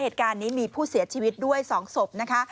เหตุการณ์นี้มีผู้เสียชีวิตด้วย๒ศพนะคะ